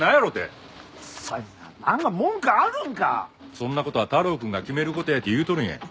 そんな事は太郎くんが決める事やって言うとるんや。